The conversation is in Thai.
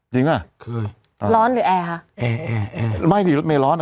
จริงหรอคือร้อนหรือแอร์ฮะแอร์แอร์แอร์ไม่ดิรถเมย์ร้อนอะ